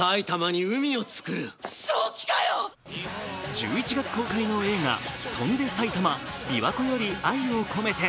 １１月公開の映画「翔んで埼玉琵琶湖より愛をこめて」。